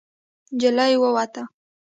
نجلۍ ووته.